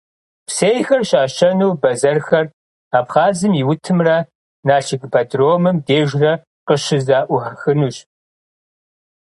Псейхэр щащэну бэзэрхэр Абхъазым и утымрэ Налшык ипподромым дежрэ къыщызэӀуахынущ.